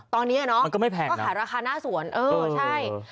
ตอนนี้เนี่ยเนอะก็ขายราคาหน้าสวนเออใช่มันก็ไม่แพงนะ